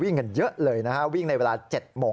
วิ่งกันเยอะเลยนะวิ่งในเวลา๗๐๐น